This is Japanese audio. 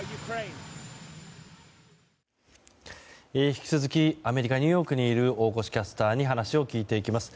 引き続きアメリカ・ニューヨークにいる大越キャスターに話を聞いていきます。